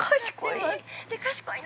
◆賢い！